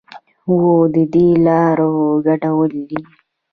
اووم ددې لارو ګډول دي.